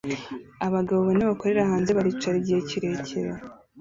Abagabo bane bakorera hanze baricara igihe kirekire